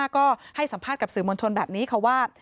ก็ให้สัมภาษณ์กับสื่อมวลชนแบบนี้ค่ะว่า